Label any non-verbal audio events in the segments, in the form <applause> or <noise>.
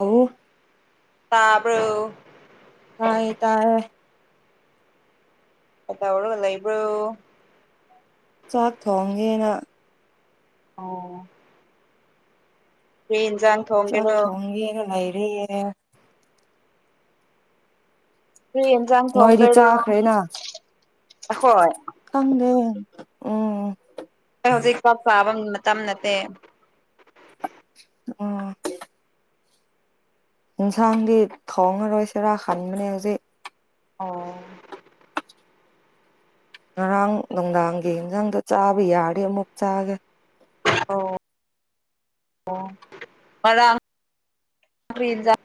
ꯑꯣ ꯇꯥꯕ꯭ꯔꯣ ꯇꯥꯏꯌꯦ ꯇꯥꯔꯦ ꯀꯩꯗꯧꯔ ꯂꯩꯕꯔꯣ ꯆꯥꯛ ꯊꯣꯡꯒꯦꯅ ꯑꯣ ꯀ꯭ꯔꯤ ꯏꯟꯖꯥꯡ ꯆꯥꯛ ꯊꯣꯡꯒꯦꯔꯣ ꯊꯣꯡꯒꯦꯅ ꯂꯩꯔꯤꯌꯦ ꯀ, ꯔꯤ ꯑꯦꯟꯖꯥꯡ ꯅꯣꯏꯗꯤ ꯊꯣꯡꯗꯣꯏꯔꯣ ꯆꯥꯈ꯭ꯔꯦꯅ ꯑꯈꯣꯏ ꯈꯪꯗꯦ ꯎꯝ ꯑꯩ ꯍꯧꯖꯤꯛ ꯀꯥꯛ ꯆꯥꯕ ꯃꯇꯝ ꯅꯠꯇꯦ ꯎꯝ ꯏꯟꯁꯥꯡꯗꯤ ꯊꯣꯡꯉꯔꯣꯏꯁꯤꯔꯥ ꯈꯟꯕꯅꯦ ꯍꯧꯖꯤꯛ ꯑꯣ ꯉꯔꯥꯡ ꯅꯨꯡꯗꯥꯡꯒꯤ ꯏꯟꯖꯥꯡꯗꯣ ꯆꯥꯕ ꯌꯥꯔꯗꯤ ꯑꯃꯨꯛ ꯆꯥꯒꯦ ꯑꯣ ꯑꯣ ꯉꯔꯥꯡ ꯀ꯭ꯔꯤ ꯏꯟꯖꯥꯡ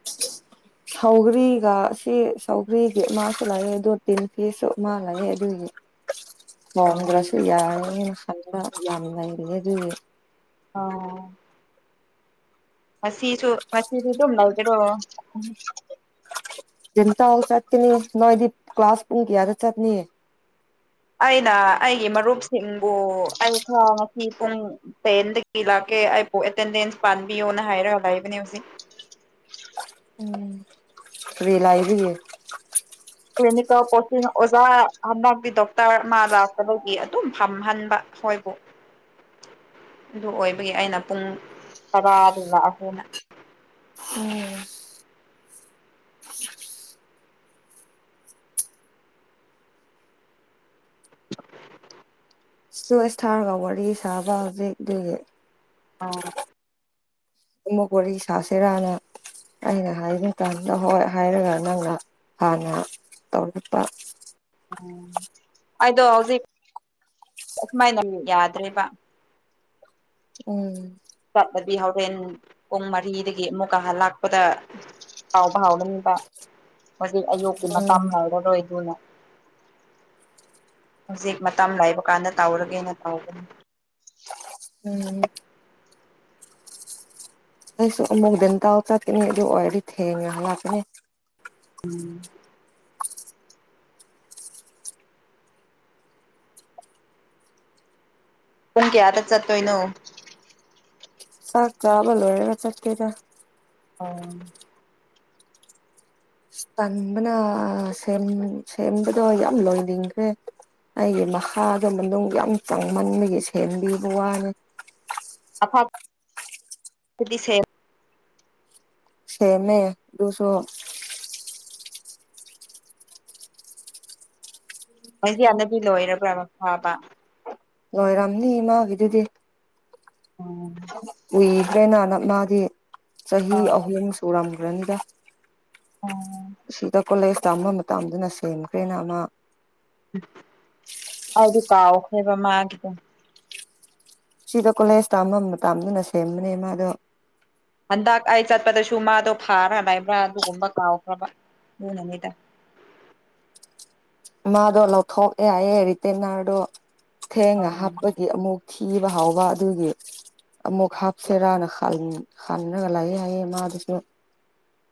<inaudible> ꯁꯧꯒ꯭ꯔꯤꯒ ꯁꯤ ꯁꯧꯒ꯭ꯔꯤꯒꯤ ꯑꯃꯁꯨ ꯂꯩꯌꯦ ꯑꯗꯨ ꯇꯤꯟ ꯐꯤꯁꯁꯨ ꯑꯃ ꯂꯩꯌꯦ ꯑꯗꯨꯒꯤ <inaudible> ꯃꯣꯟꯗ꯭ꯔꯁꯨ ꯌꯥꯏꯔꯦꯅ ꯁꯟꯕ ꯌꯥꯝ ꯂꯩꯔꯤꯍꯦ ꯑꯗꯨꯒꯤ ꯑꯧ ꯉꯁꯤꯁꯨ ꯉꯁꯤꯁꯨ ꯑꯗꯨꯝ ꯂꯩꯒꯔꯣ ꯇꯤꯟꯇꯧ ꯆꯠꯀꯅꯤ ꯅꯣꯏꯗꯤ ꯀ꯭ꯂꯥꯁ ꯄꯨꯡ ꯀꯌꯥꯗ ꯆꯠꯅꯤ ꯑꯩꯅ ꯑꯩꯒꯤ ꯃꯔꯨꯞꯁꯤꯡꯕꯨ ꯑꯩ ꯈꯔ ꯉꯁꯤ ꯄꯨꯡ ꯇꯦꯟꯗꯒꯤ ꯂꯥꯛꯀꯦ ꯑꯩꯕꯨ ꯑꯦꯇꯦꯟꯗꯦꯟꯁ ꯄꯥꯟꯕꯤꯌꯣꯅ ꯍꯥꯏꯔ ꯂꯩꯕꯅꯦ ꯍꯧꯖꯤꯛ ꯎꯝ ꯀ꯭ꯔꯤ ꯂꯥꯏꯔꯤꯌꯦ ꯀ꯭ꯂꯤꯅꯤꯀꯦꯜ ꯄꯣꯁꯇꯤꯡꯗ ꯑꯣꯖꯥ ꯍꯟꯗꯛꯀꯤ ꯗꯣ ꯇꯔꯃ ꯂꯥꯛꯄꯗꯒꯤ ꯑꯗꯨꯝ ꯐꯝꯍꯟꯕ ꯃꯣꯏꯕꯨ ꯑꯗꯨ ꯑꯣꯏꯕꯒꯤ ꯑꯩꯅ ꯄꯨꯡ ꯇꯔꯥꯗꯨ ꯂꯥꯛꯑꯒꯦꯅ ꯎꯝ ꯆꯣꯏꯁ ꯊꯥꯔꯒ ꯋꯥꯔꯤ ꯁꯥꯕ ꯍꯧꯖꯤꯛꯇꯤ ꯑꯣ ꯎꯃꯣꯀꯣꯔꯤ ꯁꯥꯁꯤꯔꯅ ꯑꯩꯅ ꯍꯥꯏꯒꯦ ꯀꯥꯟꯗ ꯍꯣꯏ ꯍꯥꯏꯔꯒ ꯅꯪꯅ ꯍꯥꯟꯅ ꯇꯧꯔꯛꯄ ꯎꯝ ꯑꯩꯗꯣ ꯍꯧꯖꯤꯛ ꯑꯁꯨꯃꯥꯏꯅ ꯅꯨꯛ ꯌꯥꯗ꯭ꯔꯦꯕ ꯎꯝ ꯆꯞꯄꯗꯤ ꯍꯧꯔꯦꯟ ꯄꯨꯡ ꯃꯔꯤꯗꯒꯤ ꯑꯃꯨꯛꯀ ꯍꯜꯂꯥꯛꯄꯗ ꯍꯥꯎꯕ ꯍꯥꯎꯒꯅꯤꯕ ꯍꯧꯖꯤꯛ ꯑꯌꯨꯛꯀꯤ ꯃꯄꯥꯝ ꯎꯝ ꯂꯩꯔꯔꯣꯏ ꯑꯗꯨꯅ ꯍꯧꯖꯤꯛ ꯃꯇꯝ ꯂꯩꯕ ꯀꯥꯟꯗ ꯇꯧꯔꯒꯦꯅ ꯇꯧꯒꯅꯤ ꯎꯝ ꯑꯗꯨꯁꯨ ꯑꯃꯨꯛ ꯒ꯭ꯌ ꯥꯟꯇꯥꯎ ꯆꯠꯀꯅꯤ ꯑꯗꯨ ꯑꯣꯏꯔꯗꯤ ꯊꯦꯡꯉꯅ ꯍꯜꯂꯛꯄꯅꯦ ꯎꯝ ꯄꯨꯡ ꯀꯌꯥꯗ ꯆꯠꯇꯣꯏꯅꯣ ꯆꯥꯛ ꯆꯥꯕ ꯂꯣꯢꯔꯒ ꯆꯠꯀꯦꯗ ꯑꯣ ꯇꯟꯕꯅ ꯁꯦꯝꯕꯗꯣ ꯌꯥꯝ ꯂꯣꯏꯅꯤꯡꯈ꯭ꯔꯦ ꯑꯩꯒꯤ ꯅꯈꯥ ꯃꯅꯨꯡ ꯌꯥꯝ ꯆꯪꯃꯟꯕꯒꯤ ꯁꯦꯟꯕꯤꯕ ꯋꯥꯅꯦ <unintelligible> ꯁꯦꯃꯦ ꯗꯨ ꯁꯣ ꯃꯣꯏꯁꯤ ꯌꯥꯅꯕꯤ ꯂꯣꯏꯔꯕ꯭ꯔꯥ ꯑꯃ ꯐꯥꯕ ꯂꯣꯏꯔꯝꯅꯤ ꯏꯃꯥꯒꯤꯗꯨꯗꯤ ꯎꯝ ꯎꯏꯗ꯭ꯔꯦꯅ ꯅꯛꯅꯥꯗꯤ ꯆꯍꯤ ꯑꯥ ꯑꯍꯨꯝ ꯁꯨꯔꯝꯈ꯭ꯔꯅꯤꯗ ꯎꯝ ꯁꯤꯗ ꯀꯣꯂꯦꯖ ꯇꯝꯕ ꯃꯇꯝꯗꯨꯅ ꯁꯦꯝꯈ꯭ꯔꯦꯅ ꯑꯃ ꯑꯩꯗꯤ ꯀꯥꯎꯈ꯭ꯔꯦꯕ ꯃꯥꯒꯤꯗꯣ ꯁꯤꯗ ꯀꯣꯂꯦꯖ ꯇ ꯇꯥꯝꯗꯨꯅ ꯁꯦꯝꯕꯅꯦ ꯃꯥꯗꯣ ꯍꯟꯗꯛ ꯑꯩ ꯆꯠꯄꯗꯁꯨ ꯃꯥꯗꯣ ꯐꯥꯔꯥ ꯂꯩꯕ꯭ꯔꯥ ꯑꯗꯨꯒꯨꯝꯕ ꯀꯥꯎꯈ꯭ꯔꯕ ꯑꯗꯨꯅꯅꯤꯗ ꯃꯥꯗꯣ ꯂꯧꯊꯣꯛꯦꯌꯦꯦ ꯔꯤꯇꯦꯟꯅꯔꯗꯣ ꯊꯦꯡꯉ ꯑꯪ ꯍꯥꯞꯄꯒꯤ ꯑꯃꯨꯛ ꯊꯤꯕ ꯍꯥꯎꯕ ꯑꯗꯨꯒꯤ ꯑꯃꯨꯛ ꯍꯥꯞꯁꯦꯔꯅ ꯍꯅꯔꯒ ꯂꯥꯛꯑꯦ ꯍꯥꯏꯌꯦ ꯃꯥꯗꯨꯁꯨ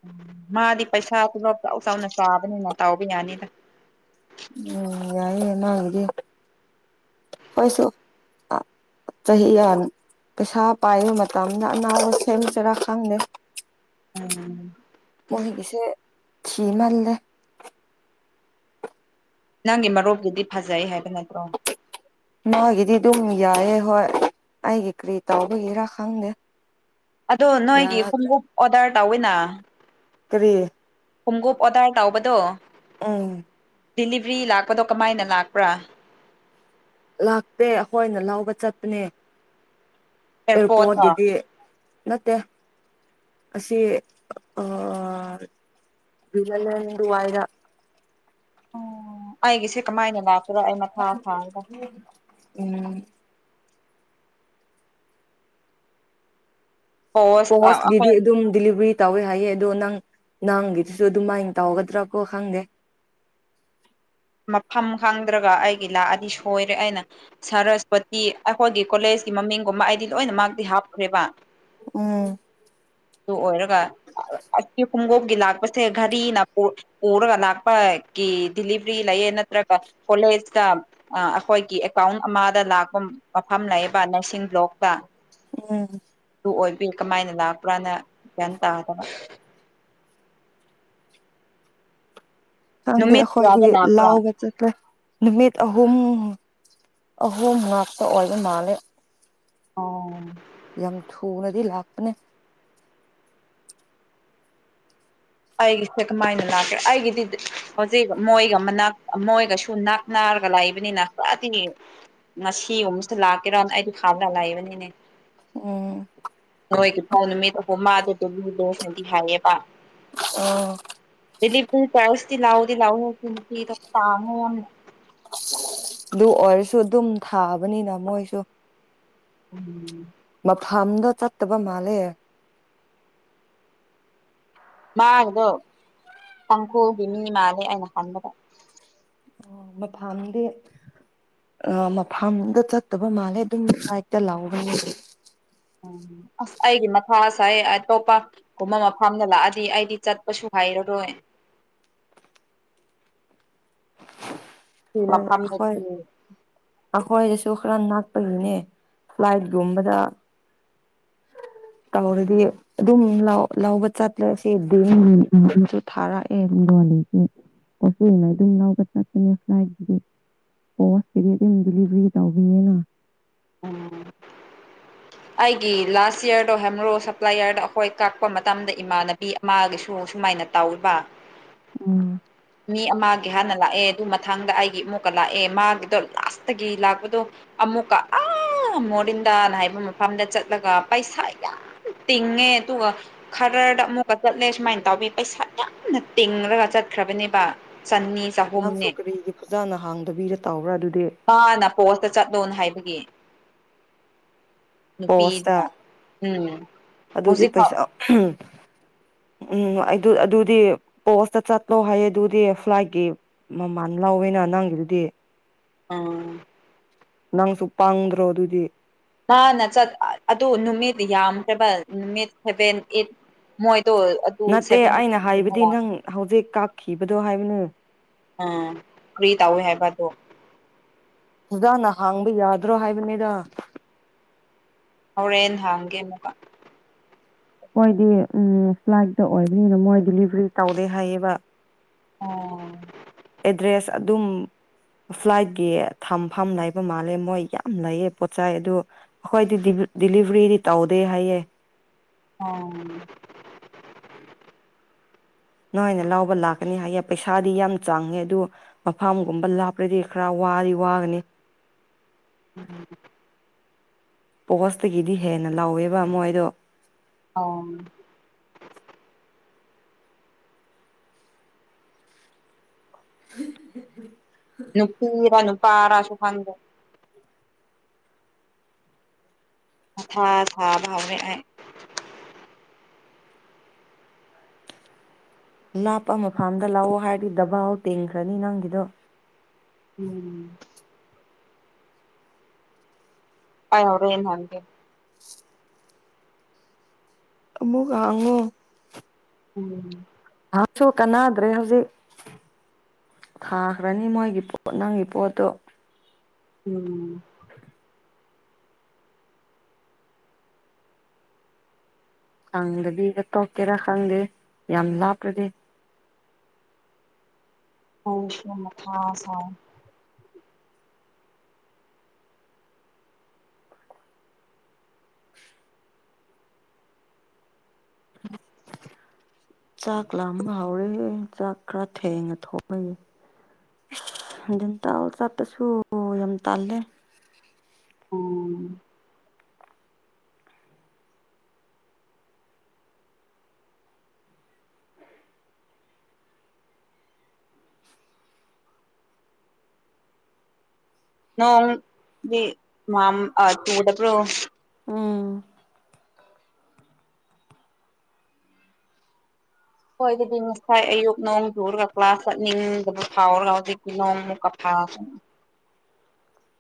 ꯎꯝ ꯃꯥꯗꯤ ꯄꯩꯁꯥ ꯄꯨꯂꯞ ꯆꯥꯎ ꯆꯥꯎꯅ ꯆꯥꯕꯅꯤꯅ ꯇꯥꯎꯕ ꯌꯥꯅꯤꯗ ꯎꯝ ꯌꯥꯏꯅꯤꯅ ꯃꯒꯤꯗꯤ ꯍꯣꯏꯁꯨ ꯁꯍꯤ ꯌꯥꯅꯤ ꯄꯩꯁꯥ ꯄꯥꯏꯕ ꯃꯇꯝꯗ ꯑꯅꯥꯕ ꯁꯦꯝꯕ ꯆꯩꯔꯥ ꯈꯪꯗꯦ ꯎꯝ ꯃꯣꯏꯒꯤꯁꯦ ꯊꯤ ꯃꯥꯜꯂꯦ ꯅꯪꯒꯤ ꯃꯔꯨꯞꯞꯇꯨꯗꯤ ꯐꯖꯩ ꯍꯥꯏꯕ ꯅꯠꯇ꯭ꯔꯣ ꯃꯥꯒꯤꯗꯤ ꯑꯗꯨꯝ ꯌꯥꯏꯑꯦ ꯍꯣꯏ ꯑꯩꯒꯤ ꯀꯔꯤ ꯇꯥꯎꯕꯒꯤꯔ ꯈꯪꯗꯦ ꯑꯗꯣ ꯅꯣꯏꯒꯤ ꯌꯥꯗ꯭ꯔꯦ ꯈꯣꯡꯎꯞ ꯑꯣꯗꯔ ꯇꯧꯋꯤꯅ ꯀ꯭ꯔꯤ ꯈꯣꯡꯎꯞ ꯑꯣꯗꯔ ꯇꯕꯗꯣ ꯎꯝ ꯗꯤꯂꯤꯕ꯭ꯔꯤ ꯂꯥꯛꯄꯗꯣ ꯀꯃꯥꯏꯅ ꯂꯥꯛꯄ꯭ꯔꯥ ꯂꯥꯛꯇꯦ ꯑꯈꯣꯏꯅ ꯂꯧꯕ ꯆꯠꯄꯅꯦ ꯑꯦꯌꯥꯔꯄꯣꯔꯠꯇ ꯑꯦꯌꯥꯔꯄꯣꯟꯒꯤꯗꯤ ꯅꯠꯇꯦ ꯑꯁꯤ ꯑꯣ ꯂꯨꯖꯂꯦꯟ ꯗꯨꯋꯥꯏꯗ ꯑꯩꯒꯤꯁꯦ ꯀꯃꯥꯏꯅ ꯂꯥꯛꯄꯔꯥ ꯑꯩ ꯃꯊꯥ ꯊꯥꯔꯦꯍꯦ ꯎꯝ ꯎꯝ ꯄꯣꯁ ꯑꯩꯈꯣꯏ ꯄꯣꯁꯒꯤꯗꯤ ꯑꯗꯨꯝ ꯗꯤꯂꯤꯚꯔꯤ ꯇꯧꯋꯦ ꯍꯥꯏꯌꯦ ꯑꯗꯣ ꯅꯪ ꯅꯪꯒꯤꯗꯨꯁꯨ ꯑꯗꯨꯃꯥꯏꯅ ꯇꯧꯒꯗ꯭ꯔꯥ ꯀꯣ ꯈꯪꯗꯦ ꯃꯐꯝ ꯈꯪꯗ꯭ꯔꯒ ꯑꯩꯒꯤ ꯂꯥꯛꯑꯅꯤ ꯁꯣꯏꯔꯦ ꯑꯩꯅ ꯁꯔꯁꯄꯇꯤ ꯑꯩꯈꯣꯏꯒꯤ ꯀꯣꯂꯦꯖꯀꯤ ꯃꯃꯤꯡꯒꯨꯝꯕ ꯑꯩꯗꯤ ꯂꯣꯏꯅ ꯃꯥꯛꯇꯤ ꯍꯥꯞꯈꯨꯔꯦꯕ ꯎꯝ ꯑꯗꯨ ꯑꯣꯏꯔꯒ ꯑꯁꯤ ꯈꯣꯡꯒꯣꯞꯒꯤ ꯂꯥꯛꯄꯁꯦ ꯘꯔꯤꯅ ꯄꯨꯔꯒ ꯂꯥꯛꯄꯒꯤ ꯗꯤꯂꯤꯚꯔꯤ ꯂꯩꯌꯦ ꯅꯠꯇ꯭ꯔꯒ ꯀꯣꯂꯦꯖꯀ ꯑꯩꯈꯣꯏꯒꯤ ꯑꯦꯀꯥꯎꯟ ꯑꯃꯗ ꯂꯥꯛꯄ ꯃꯐꯝ ꯂꯩꯌꯦꯕ ꯅꯔꯁꯤꯡ ꯕ꯭ꯂꯣꯛꯇ ꯎꯝ ꯑꯗꯨ ꯑꯣꯏꯕꯤ ꯀꯃꯥꯏꯅ ꯂꯥꯛꯄ꯭ꯔꯥꯅ ꯒ꯭ꯌꯥꯟ ꯇꯥꯗꯕ ꯈꯪꯗꯦ ꯅꯨꯃꯤꯠ ꯑꯇꯣꯢꯒꯤ ꯀꯌꯥꯗ ꯂꯥꯛꯄ꯭ꯔꯥ ꯂꯥꯎꯒ ꯆꯠꯇꯦ ꯅꯨꯃꯤꯠ ꯑꯍꯨꯝ ꯑꯍꯨꯝ ꯉꯥꯛꯛꯇ ꯑꯣꯏꯕ ꯃꯥꯜꯂꯦ ꯑꯣ ꯌꯥꯝ ꯊꯨꯅꯗꯤ ꯂꯥꯛꯄꯅꯦ ꯑꯩꯒꯤꯁꯦ ꯀꯃꯥꯏꯅ ꯂꯥꯛꯀꯦꯔ ꯑꯩꯒꯤꯗꯤꯗꯤ ꯍꯧꯖꯤꯛ ꯃꯣꯏꯒ ꯃꯅꯥꯛ ꯃꯣꯏꯒꯁꯨ ꯅꯛ ꯅꯥꯔꯒ ꯂꯥꯛꯏꯕꯅꯤꯅ ꯈꯔꯗꯤ ꯉꯁꯤꯒꯨꯝꯁꯤꯗ ꯂꯥꯛꯀꯦꯔꯣꯅ ꯑꯩꯗꯤ ꯊꯥꯕ ꯇ ꯂꯥꯏꯕꯅꯤꯅꯦ ꯎꯝ ꯅꯣꯏꯒꯤ ꯐꯥꯎ ꯅꯨꯃꯤꯠ ꯑꯍꯨꯝ ꯃꯥꯗꯨꯕꯨ <unintelligible> ꯗꯪꯗꯤ ꯍꯥꯏꯌꯦꯕ ꯑꯣ ꯗꯤꯂꯤ ꯄꯨꯡ ꯄꯔꯜꯁꯇꯤ ꯂꯥꯎꯗꯤ ꯂꯥꯎꯑꯣ <unintelligible> ꯄꯥꯡꯉꯣꯅ ꯑꯁ ꯑꯗꯨ ꯑꯣꯏꯔꯁꯨ ꯑꯗꯨꯝ ꯊꯥꯕꯅꯤꯅ ꯃꯣꯏꯁꯨ ꯎꯝ ꯃꯐꯝꯗꯣ ꯆꯠꯇꯕ ꯃꯥꯜꯂꯦ ꯃꯥꯒꯤꯗꯣ ꯇꯥꯡꯈꯨꯜꯒꯤ ꯃꯤ ꯃꯥꯜꯂꯦ ꯑꯩꯅ ꯈꯟꯕꯗ ꯑꯣ ꯃꯐꯝꯗꯤ ꯑ ꯃꯐꯝꯗ ꯆꯠꯇꯕ ꯃꯥꯜꯂꯦ ꯑꯗꯨꯝ ꯁꯥꯏꯠꯇ ꯂꯥꯎꯕꯅꯦ ꯎꯝ ꯑꯁ ꯑꯩꯒꯤ ꯃꯊꯥꯁꯥꯏ ꯑꯇꯣꯞꯄ ꯀꯨꯝꯕ ꯃꯐꯝꯗ ꯂꯥꯛꯑꯗꯤ ꯑꯩꯗꯤ ꯆꯠꯄꯁꯨ ꯍꯩꯔꯔꯣꯏ ꯁꯤ ꯍꯣꯏ ꯍꯣꯏ ꯃꯐꯝꯗꯗꯤ ꯑꯩꯈꯣꯏꯗꯁꯨ ꯈꯔ ꯅꯛꯄꯒꯤꯅꯦ ꯐ꯭ꯂꯥꯏꯠꯒꯨꯝꯕꯗ ꯇꯧꯔꯗꯤ ꯑꯗꯨꯝ ꯂꯥꯎ ꯂꯧꯕ ꯆꯠꯂꯁꯦ <unintelligible> ꯁꯨ ꯊꯥꯔꯛꯑꯦ ꯅꯨꯄꯤꯉꯩꯗꯨꯝ ꯂꯧꯕ ꯆꯠꯄꯅꯦ ꯃꯒꯤꯗꯤ ꯄꯣꯁꯀꯤꯗꯤ ꯑꯗꯨꯝ ꯗꯤꯂꯤꯚꯔꯤ ꯇꯧꯕꯤꯅꯤꯅ ꯎꯝ ꯑꯩꯒꯤ ꯂꯥꯁ ꯌꯤꯔꯗꯣ ꯍꯥꯏꯃꯔꯨ ꯁꯄ꯭ꯂꯥꯏ ꯌꯔꯗ ꯑꯩꯈꯣꯏ ꯀꯛꯄ ꯃꯇꯝꯗ ꯏꯃꯥꯟꯅꯕꯤ ꯃꯥꯒꯤꯁꯨ ꯁꯨꯃꯥꯏꯅ ꯇꯧꯕ ꯎꯝ ꯃꯤ ꯑꯃꯒꯤ ꯍꯥꯟꯅ ꯂꯥꯛꯑꯦ ꯑꯗꯨ ꯃꯊꯥꯡꯗ ꯑꯩꯒꯤ ꯏꯃꯨꯛꯀ ꯂꯥꯛꯑꯦ ꯃꯥꯒꯤꯗꯣ ꯂꯥꯁꯇꯒꯤ ꯂꯥꯛꯄꯗꯣ ꯑꯃꯨꯛꯀ ꯑꯥ ꯃꯣꯔꯤꯟꯗꯥꯟ ꯍꯥꯏꯕ ꯃꯐꯝꯗ ꯆꯠꯂꯒ ꯄꯩꯁꯥ ꯌꯥꯝ ꯇꯤꯡꯉꯦ ꯇꯨꯒ ꯈꯔꯗ ꯑꯃꯨꯛꯀ ꯆꯠꯂꯦ ꯁꯨꯃꯥꯏꯅ ꯇꯧꯕꯤ ꯄꯩꯁꯥ ꯌꯥꯝꯅ ꯇꯤꯡꯡꯂꯒ ꯆꯠꯈ꯭ꯔꯕꯅꯦꯕ ꯆꯅꯤ ꯅꯪꯁꯨ ꯆꯍꯨꯝꯅꯦ ꯀꯔꯤꯒꯤ ꯐꯖꯥꯅ ꯍꯥꯡꯗꯕꯤꯔ ꯇꯥꯎꯕ꯭ꯔꯥ ꯑꯗꯨꯗꯤ ꯃꯥꯅ ꯄꯣꯁꯇ ꯆꯠꯂꯣꯅ ꯍꯥꯏꯕꯒꯤ ꯅꯨꯄꯤ ꯄꯣꯁꯇ ꯎꯝ ꯍꯧꯖꯤꯛ ꯐꯥꯎ ꯎꯝ ꯎꯝ ꯑꯗꯨꯗꯤ ꯄꯣꯁꯇ ꯆꯠꯂꯣ ꯍꯥꯏꯌꯦ ꯑꯗꯨꯗꯤ ꯐ꯭ꯂꯥꯏꯠꯀꯤ ꯃꯃꯥꯟ ꯂꯥꯎꯋꯦꯅ ꯅꯥꯡꯒꯤꯗꯨꯗꯤ ꯑꯥ ꯅꯪꯁꯨ ꯄꯥꯡꯗ꯭ꯔꯣ ꯑꯗꯨꯗꯤ ꯃꯥꯅ ꯆꯠ ꯑꯗꯨ ꯅꯨꯃꯤꯠ ꯌꯥꯝꯈ꯭ꯔꯕ ꯅꯨꯃꯤꯠ ꯁꯦꯚꯦꯟ ꯑꯩꯠ ꯃꯣꯏꯗꯣ ꯑꯠ ꯅꯠꯇꯦ ꯑꯩꯅ ꯍꯥꯏꯕꯗꯤ ꯅꯪ ꯍꯧꯖꯤꯛ ꯀꯥꯞꯈꯤꯕꯗꯣ ꯍꯥꯏꯕꯅꯦ ꯎꯝ ꯐ꯭ꯔꯤ ꯇꯧꯋꯦ ꯍꯥꯏꯕꯗꯣ ꯐꯖꯥꯅ ꯍꯥꯡꯕ ꯌꯥꯗ꯭ꯔꯣ ꯍꯥꯏꯕꯅꯤꯗ ꯍꯧꯔꯦꯟ ꯍꯥꯡꯒꯦ ꯑꯃꯨꯛꯀ ꯃꯣꯏꯗꯤ ꯎꯝ ꯐ꯭ꯂꯥꯏꯇ ꯑꯣꯏꯕꯅꯤꯅ ꯃꯣꯏ ꯗꯤꯂꯤꯚꯔꯤ ꯇꯧꯗꯦ ꯍꯥꯏꯌꯦꯕ ꯑꯣꯥ ꯑꯦꯗ꯭ꯔꯦꯁ ꯑꯗꯨꯝ ꯐ꯭ꯂꯥꯏꯠꯀꯤ ꯊꯝ ꯐꯝ ꯂꯩꯕ ꯃꯥꯜꯂꯦ ꯃꯣꯏ ꯌꯥꯝ ꯂꯩꯌꯦ ꯄꯣꯠꯆꯩ ꯑꯗꯨ ꯑꯩꯈꯣꯏꯗꯤ ꯗꯤꯂꯤꯚ ꯗꯤꯂꯤꯚ꯭ꯔꯤꯗꯤ ꯇꯧꯗꯦ ꯍꯥꯏꯌꯦ ꯑꯣ ꯅꯨꯡꯉꯥꯏꯅ ꯂꯥꯎꯕ ꯂꯥꯛꯀꯅꯤ ꯍꯥꯏꯌꯦꯦ ꯄꯩꯁꯥꯗꯤ ꯌꯥꯝ ꯆꯥꯡꯉꯦ ꯑꯗꯨ ꯃꯐꯝꯒꯨꯝꯕ ꯂꯥꯞꯄ꯭ꯔꯗꯤ ꯈꯔ ꯋꯥ ꯋꯥꯒꯅꯤ ꯎꯝ ꯄꯣꯁꯇꯒꯤꯗꯤ ꯍꯦꯟꯅ ꯂꯥꯎꯋꯦꯕ ꯃꯣꯏꯗꯣ ꯑꯣ <inaudible> ꯅꯨꯄꯤꯔ ꯅꯨꯄꯥꯥꯔꯁꯨ ꯐꯪꯗ ꯑꯊ ꯁꯥꯕꯥꯎꯃꯦ ꯂꯥꯞꯄ ꯃꯐꯝꯝꯗ ꯂꯥꯛꯑꯣ ꯍꯥꯏꯔꯗꯤ ꯗꯕꯥꯥꯎ ꯇꯤꯡꯈ꯭ꯔꯅꯤ ꯅꯪꯒꯤꯗꯣ ꯎꯝ ꯄꯥꯏꯔꯣꯏ ꯍꯥꯏꯒꯦ ꯃꯨ ꯑꯉꯨ ꯎꯝ ꯁꯁꯨ ꯀꯅꯥꯗ꯭ꯔꯦ ꯍꯧꯖꯤꯛ ꯊꯥꯈ꯭ꯔꯅꯤ ꯃꯣꯏꯒꯤ ꯄꯣꯠ ꯅꯪꯒꯤ ꯄꯣꯠꯇꯣ ꯎꯝ ꯈꯪꯗꯕꯤꯗ ꯇꯣꯛꯀꯦꯔꯥ ꯈꯪꯗꯦ ꯌꯥꯝ ꯂꯥꯞꯄ꯭ꯔꯗꯤ ꯍ ꯃ ꯈꯥꯁ <inaudible> ꯆꯥꯛ ꯂꯥꯝꯕ ꯍꯥꯎꯔꯦ ꯆꯥꯛ ꯈꯔ ꯊꯦꯡꯉ ꯊꯣꯡꯉꯌꯦ <unintelligible> ꯆꯠꯄꯁꯨ ꯌꯥꯝ ꯇꯜꯂꯦ ꯎꯝ ꯅꯣꯡ ꯗꯤ ꯃꯥꯝ ꯇꯨꯗ ꯄ꯭ꯔꯣ ꯎꯝ ꯍꯣꯏ ꯑꯗꯨꯗꯤ ꯉꯁꯥꯏ ꯑꯌꯨꯛ ꯅꯣꯡ ꯆꯨꯔꯒ ꯀ꯭ꯂꯥꯁ ꯆꯠꯅꯤꯡꯗꯕ ꯐꯥꯎꯔꯒ ꯍꯧꯖꯤꯛꯇꯤ ꯅꯣꯡꯃꯨꯛꯀ ꯐꯥꯒ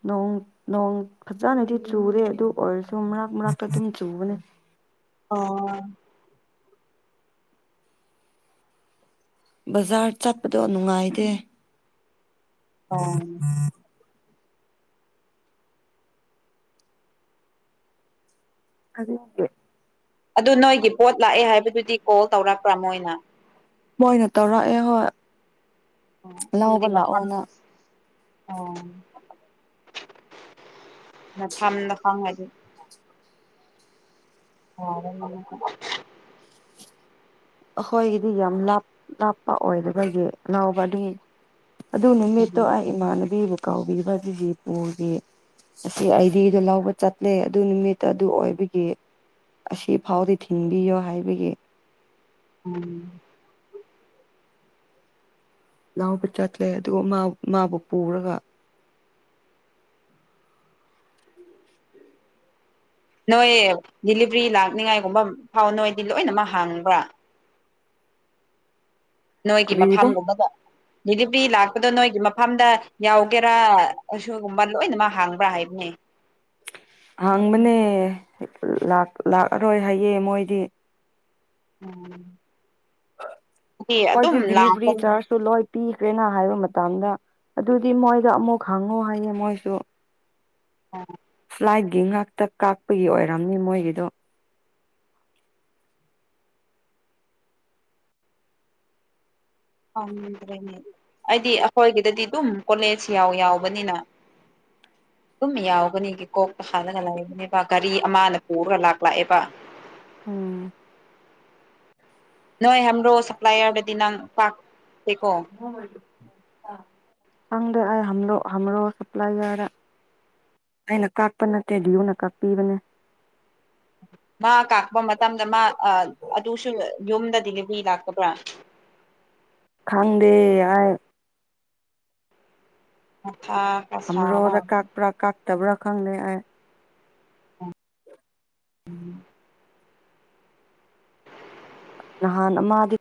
ꯅꯣꯡ ꯅꯣꯡ ꯐꯖꯅꯗꯤ ꯆꯨꯔꯦ ꯑꯗꯨ ꯑꯣꯏꯔꯁꯨ ꯃꯔꯛ ꯃꯔꯛꯇ ꯑꯗꯨꯝ ꯆꯨꯕꯅꯦ ꯑꯣ ꯕꯖꯥꯔ ꯆꯠꯄꯗꯣ ꯅꯨꯡꯉꯥꯏꯇꯦ ꯑꯣ <unintelligible> ꯑꯗꯨ ꯅꯣꯏꯒꯤ ꯄꯣꯠ ꯂꯥꯛꯑꯦ ꯍꯥꯏꯕꯗꯨꯗꯤ ꯀꯣꯜ ꯇꯧꯔꯛꯄ꯭ꯔꯥ ꯃꯣꯏꯅ ꯃꯣꯏꯅ ꯇꯧꯔꯛꯑꯦ ꯍꯣꯏ ꯑꯣ ꯂꯧꯕ ꯂꯥꯛꯑꯣꯅ ꯑꯣꯂꯩꯐꯝꯗꯣ ꯈꯡꯉꯗꯤ <unintelligible> ꯑꯩꯈꯣꯏꯒꯤꯗꯤ ꯌꯥꯝ ꯂꯥꯞ ꯂꯥꯞꯄ ꯑꯣꯏꯗꯕꯒꯤ ꯂꯧꯕ ꯑꯗꯨꯒꯤ ꯑꯗꯨ ꯅꯨꯃꯤꯠꯇꯣ ꯎꯝ ꯑꯩ ꯏꯃꯥꯟꯅꯕꯤꯕꯨ ꯀꯥꯎꯕꯤꯕ ꯑꯗꯨꯒꯤ ꯕꯣꯜꯒꯤ ꯑꯁꯤ ꯑꯩꯗꯤꯗꯣ ꯂꯧꯕ ꯆꯠꯂꯦ ꯑꯗꯨ ꯅꯨꯃꯤꯠꯇ ꯑꯗꯨ ꯑꯣꯏꯕꯒꯤ ꯑꯁꯤ ꯐꯥꯎꯗꯤ ꯊꯤꯟꯕꯤꯌꯣ ꯍꯥꯏꯕꯒꯤ <unintelligible> ꯂꯥꯎꯕ ꯆꯠꯂꯦ ꯑꯗꯨꯒ ꯃꯥꯕꯨ ꯄꯨꯔꯒ ꯅꯣꯏ ꯗꯤꯂꯤꯚ꯭ꯔꯤ ꯂꯥꯛꯅꯤꯉꯥꯏꯒꯨꯝꯕ ꯐꯥꯎ ꯅꯣꯏꯗꯤ ꯂꯣꯏꯅꯃꯛ ꯍꯥꯡꯕ꯭ꯔꯥ ꯅꯣꯏꯒꯤ ꯀꯔꯤꯕ ꯃꯐꯝꯒꯨꯝꯕꯒ ꯕꯤꯖꯤꯄꯤ ꯂꯥꯛꯄꯗꯣ ꯅꯣꯏꯒꯤ ꯃꯐꯝꯗ ꯌꯥꯎꯒꯦꯔꯥ ꯑꯁꯤꯒꯨꯝꯕ ꯂꯣꯏꯅꯃꯛ ꯍꯥꯡꯕ꯭ꯔꯥ ꯍꯥꯏꯕꯅꯦ ꯍꯥꯡꯕꯅꯦ ꯂꯥꯛꯑꯔꯣꯏ ꯍꯥꯏꯌꯦ ꯃꯣꯏꯗꯤ ꯎꯝ ꯗꯤ ꯑꯗꯨꯝ ꯀꯣꯏꯗꯤ ꯗꯗꯤꯂꯤꯚꯔꯤ ꯂꯥꯛꯄꯅꯤ ꯆꯥꯔꯖꯁꯨ ꯂꯣꯏ ꯄꯤꯈ꯭ꯔꯦꯅ ꯍꯥꯏꯕ ꯃꯇꯝꯗ ꯑꯗꯨꯗꯤ ꯃꯣꯏꯗ ꯑꯃꯨꯛ ꯍꯪꯉꯨ ꯍꯥꯏꯌꯦ ꯃꯣꯏꯁꯨ ꯑ ꯂꯥꯏꯠꯒꯤ ꯉꯥꯛꯇ ꯀꯥꯛꯄꯒꯤ ꯑꯣꯏꯔꯝꯅꯤ ꯃꯣꯏꯒꯤꯗꯣ ꯗ꯭ꯔꯦꯅꯦ ꯑꯩꯗꯤ ꯑꯩꯈꯣꯏꯒꯤꯗꯗꯤ ꯑꯗꯨꯝ ꯀꯣꯂꯦꯖ ꯌꯥꯎ ꯌꯥꯎꯕꯅꯤꯅ ꯑꯗꯨꯝ ꯌꯥꯎꯒꯅꯤ ꯀꯣꯛꯇ ꯍꯥꯜꯂꯒ ꯂꯩꯒꯅꯦꯕ ꯒꯥꯔꯤ ꯑꯃꯅ ꯄꯨꯔꯒ ꯂꯥꯛ ꯂꯥꯛꯑꯦꯕ ꯎꯝ <unintelligible> ꯁꯞꯄ꯭ꯂꯥꯏꯌꯥꯔꯗꯗꯤ ꯅꯪ ꯄꯥꯥꯛꯇꯦꯀꯣ <unintelligible> ꯑꯩꯅ ꯀꯥꯞꯄ ꯅꯠꯇꯦ ꯗꯤꯌꯨꯅ ꯀꯥꯞꯄꯤꯕꯅꯦ ꯃꯥ ꯀꯥꯄ ꯃꯇꯝꯗ ꯃꯥ ꯑꯗꯨꯁꯨ ꯌꯨꯝꯗ ꯗꯤꯂꯤꯚꯔꯤ ꯂꯥꯛꯇꯕ꯭ꯔꯥ ꯈꯪꯗꯦ ꯍꯥꯏ <unintelligible> ꯍꯝꯔꯣꯗ ꯀꯛꯄ꯭ꯔꯥ ꯀꯥꯛꯛꯇꯕ꯭ꯔꯥ ꯈꯪꯗꯦ ꯑꯩ <unintelligible> ꯍꯥꯟꯅ ꯃꯥꯗꯤ